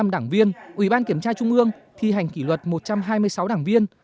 bốn mươi năm đảng viên ủy ban kiểm tra trung ương thi hành kỷ luật một trăm hai mươi sáu đảng viên